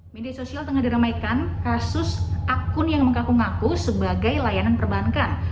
media sosial tengah diramaikan kasus akun yang mengaku ngaku sebagai layanan perbankan